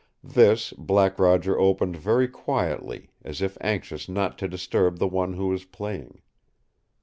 This Black Roger opened very quietly, as if anxious not to disturb the one who was playing.